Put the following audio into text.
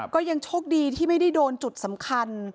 ก็ยังโชคดีที่ไม่ได้โดนจุดสำคัญ